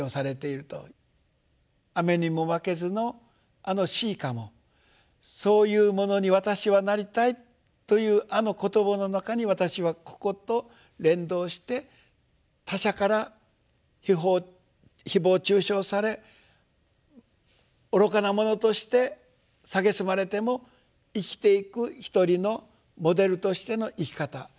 「雨ニモマケズ」のあの詩歌も「サウイフモノニワタシハナリタイ」というあの言葉の中に私はここと連動して他者から誹謗中傷され愚かなものとして蔑まれても生きていく一人のモデルとしての生き方。